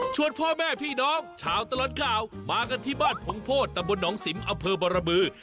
ชวนพ่อแม่พี่น้องชาวตลก้าวมากันที่บ้านผงโพสตำบลอลหนองสิมอบรมือ